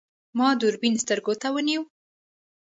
ما دوربین سترګو ته ونیو.